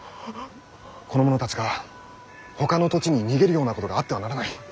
この者たちがほかの土地に逃げるようなことがあってはならない。